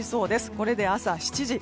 これで朝７時。